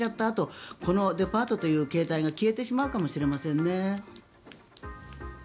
あとこのデパートという形態が消えてしまうかもしれませんね。